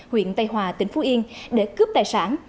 huyện tây hòa tỉnh phú yên để cướp tài sản